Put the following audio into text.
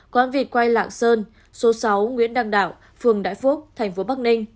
quán vịt quay lạng sơn số sáu nguyễn đăng đạo phường đại phúc thành phố bắc ninh